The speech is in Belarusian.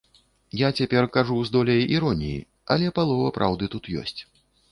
Я цяпер кажу з доляй іроніі, але палова праўды тут ёсць.